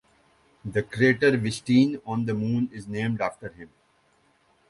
The crater Vestine on the Moon is named after him.